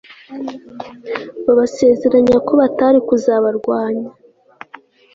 babasezeranya ko batari kuzabarwanya